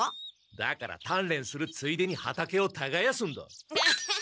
だからたんれんするついでに畑をたがやすんだ。